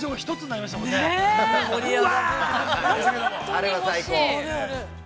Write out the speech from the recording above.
◆あれは最高。